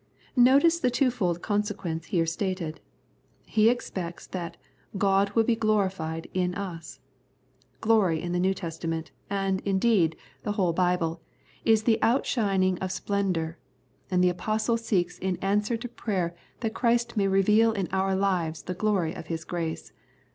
Notice the twofold consequence here stated. He expects that God, will he glorified in us. Glory in the New Testament, and, indeed, in 33 The Prayers of St. Paul the whole Bible, is the outshining of splen dour, and the Apostle seeks in answer to prayer that Christ may reveal in our lives the glory of His grace.